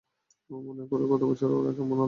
মনে করো গত বছর ওরা কেমন অদম্য ছিলো।